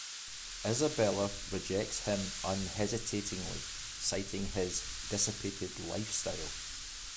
Isabella rejects him unhesitatingly, citing his dissipated lifestyle.